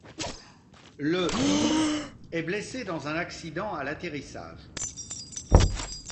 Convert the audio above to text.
Le il est blessé dans un accident à l'atterrissage.